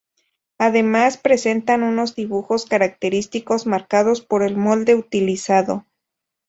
Además, presentan unos dibujos característicos marcados por el molde utilizado.